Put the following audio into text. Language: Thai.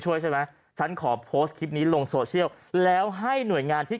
ช่วยใช่ไหมฉันขอโพสต์คลิปนี้ลงโซเชียลแล้วให้หน่วยงานที่